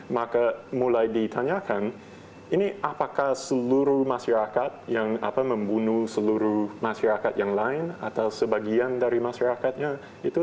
maka mulai ditanyakan ini apakah seluruh masyarakat yang membunuh seluruh masyarakat yang lain atau sebagian dari masyarakatnya itu